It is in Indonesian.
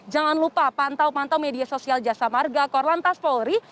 jangan lupa pantau pantau media sosial jasa marga korlantas polri